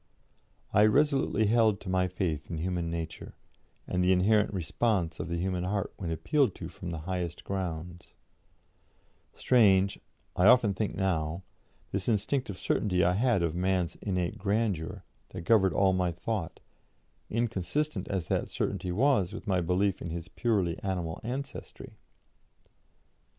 I resolutely held to my faith in human nature, and the inherent response of the human heart when appealed to from the highest grounds; strange I often think now this instinctive certainty I had of man's innate grandeur, that governed all my thought, inconsistent as that certainty was with my belief in his purely animal ancestry.